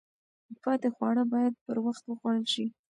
پاتې خواړه باید پر وخت وخوړل شي.